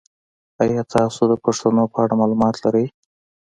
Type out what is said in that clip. ایا تاسو د پښتنو په اړه معلومات لرئ؟